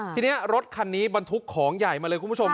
ทีนี้รถคันนี้บรรทุกของใหญ่มาเลยคุณผู้ชม